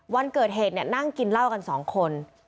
วันเกิดเหตุนั่งกินเหล้ากันสองคน